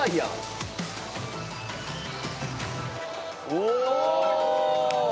お！